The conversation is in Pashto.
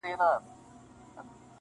نه یو بل موږک پرېږدي و خپلي خواته,